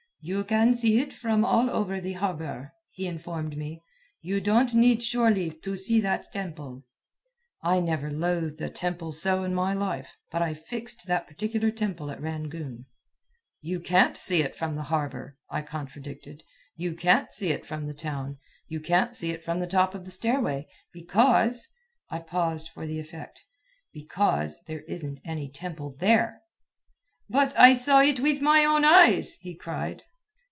"You can see it from all over the harbor," he informed me. "You don't need shore leave to see that temple." I never loathed a temple so in my life. But I fixed that particular temple at Rangoon. "You can't see it from the harbor," I contradicted. "You can't see it from the town. You can't see it from the top of the stairway. Because " I paused for the effect. "Because there isn't any temple there." "But I saw it with my own eyes!" he cried.